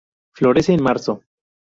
Florece en Marzo.